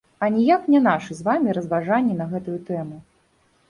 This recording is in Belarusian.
А ніяк не нашы з вамі разважанні на гэтую тэму.